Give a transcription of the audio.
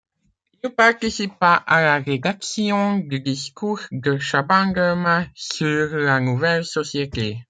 Il participa à la rédaction du discours de Chaban-Delmas sur la Nouvelle société.